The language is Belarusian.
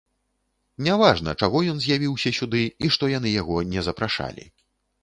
Няважна, чаго ён з'явіўся сюды і што яны яго не запрашалі.